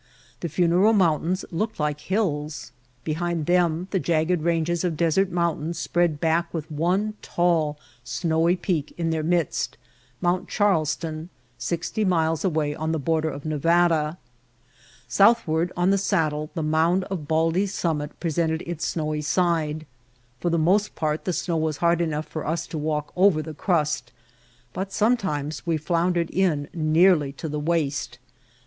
The Funeral Mountains looked like hills. Behind them the jagged ranges of desert mountains spread back with one tall, snowy peak in their midst. Mount Charles ton, sixty miles away on the border of Nevada. Southward on the saddle the mound of Baldy's summit presented its snowy side. For the most part the snow was hard enough for us to walk over the crust, but sometimes we floundered in nearly to the waist.